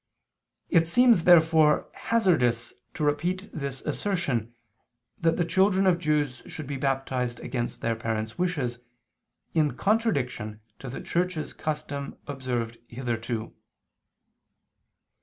It seems therefore hazardous to repeat this assertion, that the children of Jews should be baptized against their parents' wishes, in contradiction to the Church's custom observed hitherto.